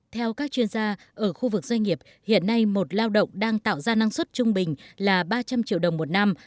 theo các chuyên gia ở khu vực doanh nghiệp hiện nay một lao động đang tạo ra năng suất trung bình là ba trăm linh triệu đồng một năm